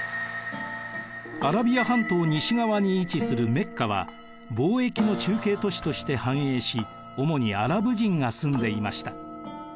アラビア半島西側に位置するメッカは貿易の中継都市として繁栄し主にアラブ人が住んでいました。